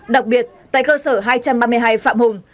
đặc biệt tại cơ sở hai trăm ba mươi hai phạm hùng